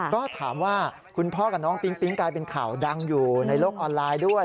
ก็ถามว่าคุณพ่อกับน้องปิ๊งปิ๊งกลายเป็นข่าวดังอยู่ในโลกออนไลน์ด้วย